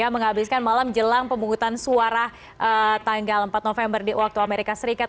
menghabiskan malam jelang pemungutan suara tanggal empat november di waktu amerika serikat